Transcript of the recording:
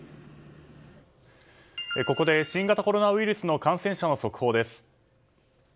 ここで新型コロナウイルスの感染者の速報です。